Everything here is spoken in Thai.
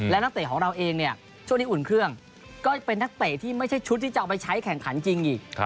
และนักเตะของเราเองเนี่ยช่วงนี้อุ่นเครื่องก็เป็นนักเตะที่ไม่ใช่ชุดที่จะเอาไปใช้แข่งขันจริงอีก